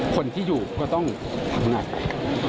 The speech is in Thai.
คนที่อยู่ก็ต้องทำงาน